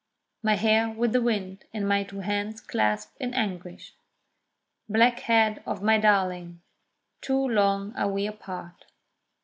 My hair with the wind, and my two hands clasped in anguish; Black head of my darling! too long are we apart.